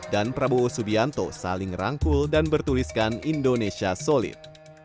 prabowo subianto saling rangkul dan bertuliskan indonesia solid